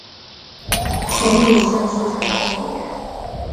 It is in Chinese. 前女性色情片演员。